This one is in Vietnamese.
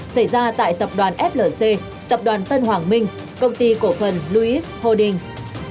xảy ra tại tập đoàn flc tập đoàn tân hoàng minh công ty cổ phần louis holdings